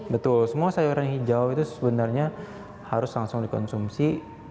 betul semua sayuran hijau itu sebenarnya harus langsung dikonsumsi